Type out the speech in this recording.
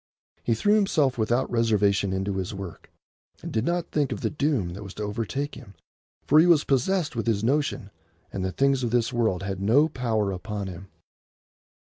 He threw himself without reservation into his work, and did not think of the doom that was to overtake him, for he was possessed with his notion, and the things of this world had no power upon him.